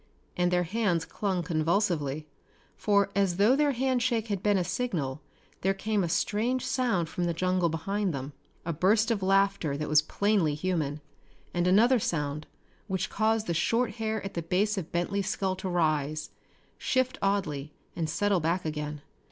And their hands clung convulsively, for as though their handshake had been a signal there came a strange sound from the jungle behind them. A burst of laughter that was plainly human and another sound which caused the short hair at the base of Bentley's skull to rise, shift oddly, and settle back again.